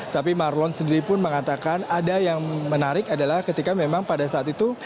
tapi marlon sendiri pun mengatakan ada yang menarik adalah ketika memang pada saat itu